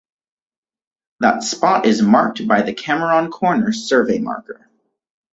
That spot is marked by the Cameron Corner Survey Marker.